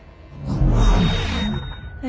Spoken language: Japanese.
え？